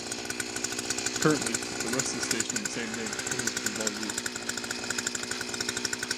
Currently the rest of station of the same name continues to be well used.